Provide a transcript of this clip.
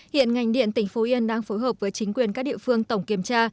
hiện ngành điện tỉnh phú yên đang phối hợp với chính quyền các địa phương tổng kiểm tra